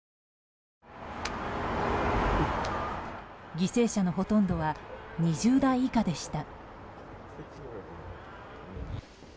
犠牲者のほとんどは２０代以下でした。